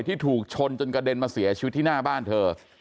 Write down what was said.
ที่ถูกชนจนกระเด็นมาเสียชีวิตที่หน้าบ้านเธอ